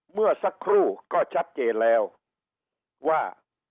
เมื่อสักครู่ก็ชัดเจนแล้วว่า